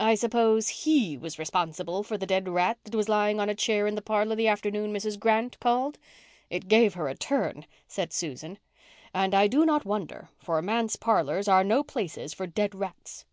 "I suppose he was responsible for the dead rat that was lying on a chair in the parlour the afternoon Mrs. Grant called. It gave her a turn," said Susan, "and I do not wonder, for manse parlours are no places for dead rats.